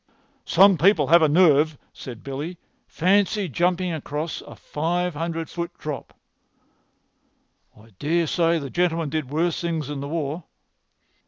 "Some people have a nerve," said Billy. "Fancy jumping across a five hundred foot drop!" "I dare say the gentleman did worse things in the war."